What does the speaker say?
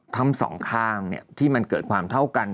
ทั้งสองข้างที่มันเกิดความเท่ากัน